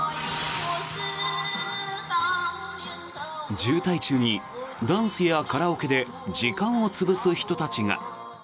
渋滞中にダンスやカラオケで時間を潰す人たちが。